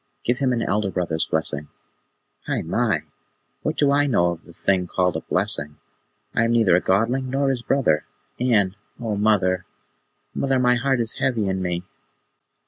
Give him an elder brother's blessing." "Hai mai! What do I know of the thing called a blessing? I am neither a Godling nor his brother, and O mother, mother, my heart is heavy in me."